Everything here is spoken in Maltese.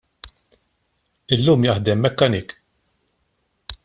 Illum jaħdem mechanic.